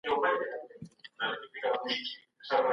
دا نبات د ګرځندوی صنعت ته هم ګټه لري.